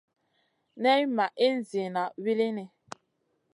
Nay ma ihn ziyna wulini.